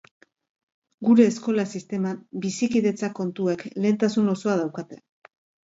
Gure eskola sisteman bizikidetza kontuek lehentasun osoa daukate.